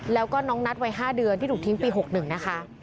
แล้วก็น้องนัทวัย๕เดือนที่ถูกทิ้งปี๖๑นะคะ